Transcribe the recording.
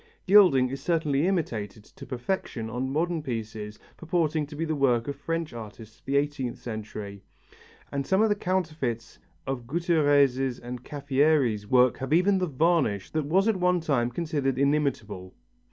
Gilding is certainly imitated to perfection on modern pieces purporting to be the work of French artists of the eighteenth century and some of the counterfeits of Gutierrez' and Caffieri's work have even the varnish that was at one time considered inimitable.